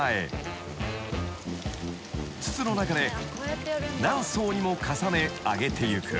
［筒の中で何層にも重ね揚げていく］